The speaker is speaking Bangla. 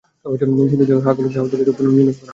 নিষিদ্ধ জাল দিয়ে হাকালুকি হাওর থেকে এসব পোনা নিধন করা হয়।